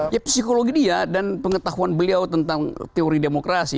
ya psikologi dia dan pengetahuan beliau tentang teori demokrasi